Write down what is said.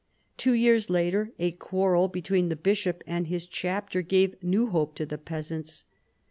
Two years later a quarrel between the bishop and his chapter gave new hope to the peasants.